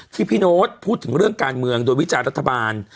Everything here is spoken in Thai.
พี่โน๊ตพูดถึงเรื่องการเมืองโดยวิจารณรัฐบาล